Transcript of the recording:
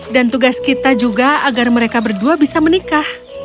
dan tugas kita juga agar mereka berdua bisa menikah